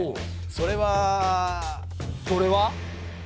それは。それは？